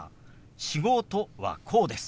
「仕事」はこうです。